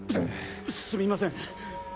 すすみません。